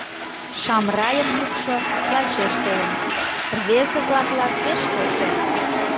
Шамрайын мутшо лачеш толын, рвезе-влаклан пеш келшен.